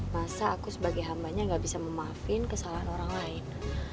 masa aku sebagai hambanya gak bisa memaafin kesalahan orang lain